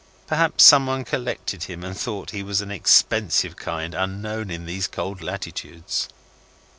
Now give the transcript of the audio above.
Perhaps someone collected him and thought he was an expensive kind unknown in these cold latitudes.